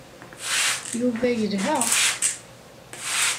Yuba yelha.